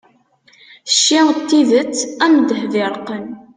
cci n tidet am ddheb iṛeqqen